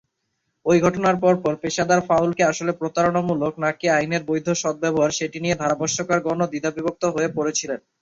ঐ ঘটনার পরপর, পেশাদার ফাউল কি আসলে প্রতারণামূলক নাকি আইনের বৈধ সদ্ব্যবহার, সেটা নিয়ে ধারাভাষ্যকারগণ-ও দ্বিধাবিভক্ত হয়ে পড়েছিলেন।